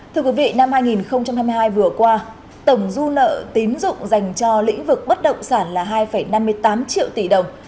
thưa quý vị năm hai nghìn hai mươi hai vừa qua tổng dư nợ tín dụng dành cho lĩnh vực bất động sản là hai năm mươi tám triệu tỷ đồng